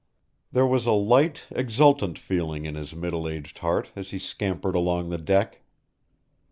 There was a light, exultant feeling in his middle aged heart as he scampered along the deck.